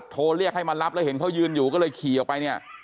โทรเรียกให้มารับแล้วเห็นเขายืนอยู่ก็เลยขี่ออกไปเนี่ย